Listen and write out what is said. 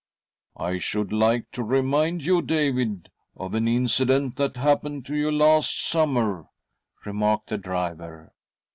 "I should like to remind you, David, of an incident that happened to you last summer," remarked the driver.